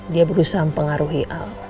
dia berusaha mengaruhi allah